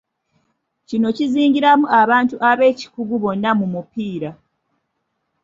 Kino kizingiramu abantu ab'ekikugu bonna mu mupiira.